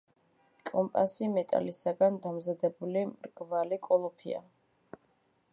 კომპასი მეტალისაგან დამზადებული მრგვალი კოლოფია.